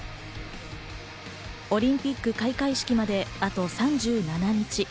オリンピック開会式まであと３７日。